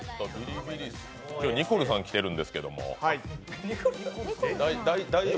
今日、ニコルさん来てるんですけども、大丈夫？